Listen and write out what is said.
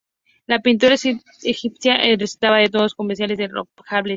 La pintura egipcia representaba de modo convencional los ropajes.